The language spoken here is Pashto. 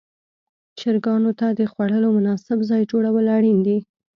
چرګانو ته د خوړلو مناسب ځای جوړول اړین دي.